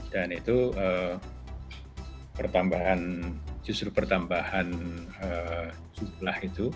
dan itu pertambahan justru pertambahan jumlah itu